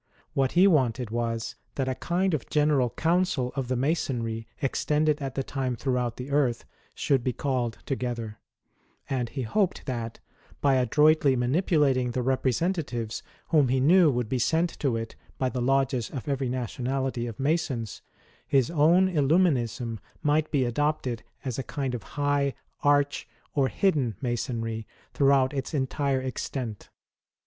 What he wanted was, that a kind of General Council of the Masonry extended at the time throughout the earth, should be called together ; and he hoped that, by adroitly manipulating the representatives whom he knew would be sent to it by the lodges of every nationality of Masons, his own llluminism might be adopted as a kind of high, arch, or hidden, Masonry, throughout its entire extent.